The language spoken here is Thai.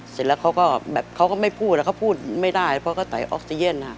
เสร็จแล้วเขาก็ไม่พูดแล้วเขาพูดไม่ได้เพราะก็ไตออกซีเย็น